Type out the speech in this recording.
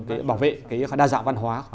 để bảo vệ đa dạng văn hóa